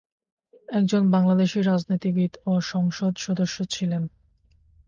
একজন বাংলাদেশী রাজনীতিবিদ ও সংসদ সদস্য ছিলেন।